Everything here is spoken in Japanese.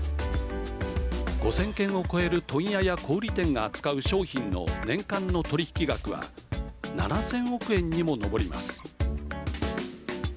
５０００軒を超える問屋や小売店が扱う商品の年間の取引額は７０００億円にも上ります。